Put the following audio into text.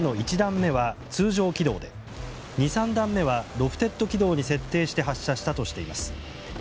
ミサイルの１段目は通常軌道で２３段目はロフテッド軌道に設定して発射したとしています。